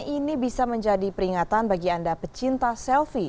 ini bisa menjadi peringatan bagi anda pecinta selfie